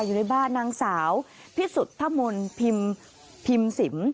อยู่ในบ้านนางสาวพิสุทธมนต์พิมสิม